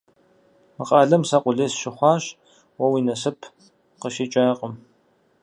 Мы къалэм сэ къулей сыщыхъуащ, уэ уи насып къыщикӏакъым.